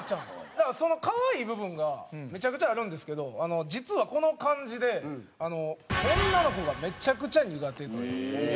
だからその可愛い部分がめちゃくちゃあるんですけど実はこの感じで女の子がめちゃくちゃ苦手という。